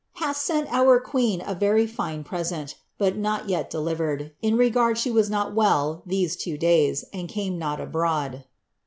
" hath sent our queen a very lir.e present, but not yet delivered, in regard she w.is not well ihe. e inii days, and came not abroad.